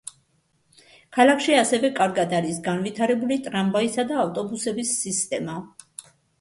ქალაქში ასევე კარგად არის განვითარებული ტრამვაისა და ავტობუსების სისტემა.